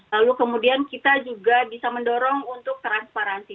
lalu kemudian kita juga bisa mendorong untuk transparansi